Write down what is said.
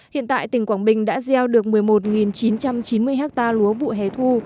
hiện tại tỉnh quảng bình đã gieo được một mươi một chín trăm chín mươi ha lúa vụ hè thu